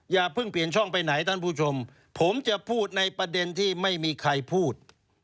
อย่าเพิ่งเปลี่ยนช่องไปไหนท่านผู้ชมผมจะพูดในประเด็นที่ไม่มีใครพูด